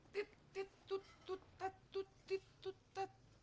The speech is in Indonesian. biar mami angkat